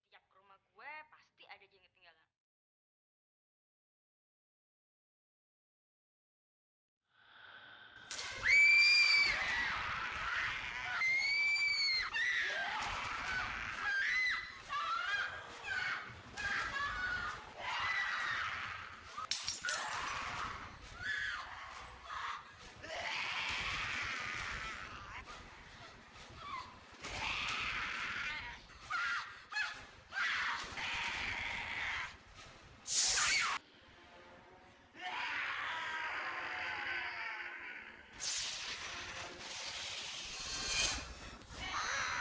ya perlu perlu banget sih